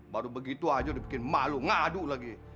baru begitu aja udah bikin malu ngaduk lagi